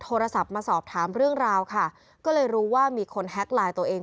โทรศัพท์มาสอบถามเรื่องราวค่ะก็เลยรู้ว่ามีคนแฮ็กไลน์ตัวเอง